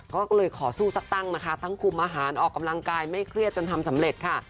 ก็เลยขอสู้สักตั้งนะคะทั้งคุมอาหารออกกำลังกายไม่เครียดจนทำสำเร็จค่ะ